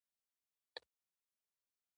وروسته د کب نیولو صنعت له ستونزو سره مخ شو.